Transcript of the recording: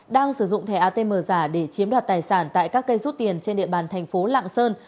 đang sử dụng thẻ atm giả để chiếm đoạt tài sản tại các cây rút tiền trên địa bàn thành phố lạng sơn